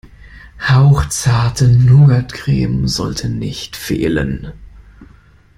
Hauchzarte Nougatcreme sollte nicht fehlen.